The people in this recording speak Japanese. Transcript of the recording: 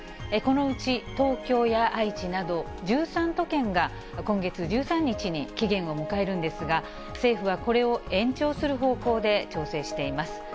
このうち、東京や愛知など１３都県が、今月１３日に期限を迎えるんですが、政府はこれを延長する方向で調整しています。